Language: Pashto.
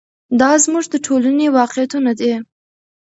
دا زموږ د ټولنې واقعیتونه دي.